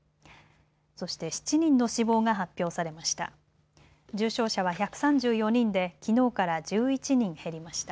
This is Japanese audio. そして７人の死亡が発表されました。